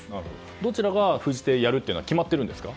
どちらが封じ手をやるのかは決まってるんですか？